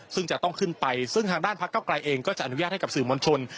ซึ่งจะต้องขึ้นไปซึ่งทางด้านพักเก้าไกลเองก็จะอนุญาตให้กับสื่อมวลชน